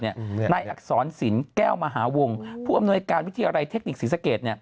นายอักษรศิลป์แก้วมหาวงผู้อำนวยการวิทยาลัยเทคนิคศรีสเกต